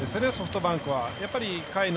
ソフトバンクは。